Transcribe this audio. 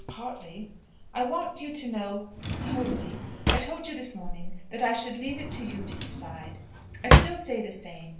"Partly." "I want you to know wholly. I told you this morning that I should leave it to you to decide. I still say the same.